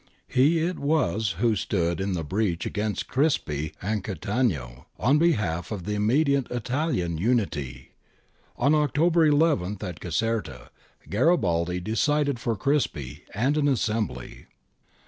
He it was who stood in the breach against Crispi and Cattaneo, on behalf of immediate Italian unity. On October 11, at Caserta, Garibaldi decided for Crispi and an assembly.